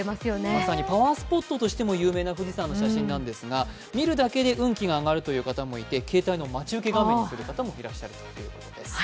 まさにパワースポットとしても有名な富士山の写真ですが見るだけで運気が上がるという方もいて、携帯の待ち受け画面にする方もいるそうです。